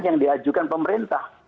yang diajukan pemerintah